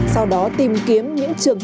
sau đó tìm kiếm những trường hợp